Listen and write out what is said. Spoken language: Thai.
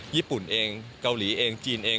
ญี่ปุ่นเองเกาหลีเองจีนเอง